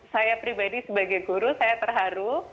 saya pribadi sebagai guru saya terharu